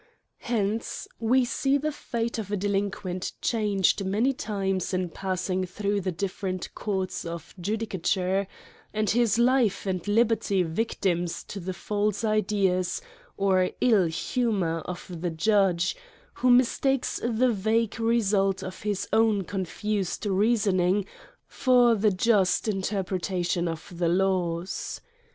Hence we see the fate of a delinquent changed many times in passing through the different courts of judicature, and his life and liberty victims to the false ideas or ill humour of the judge, who mistakes the vague result of his own confused reasoning for the just interpretation of the laws.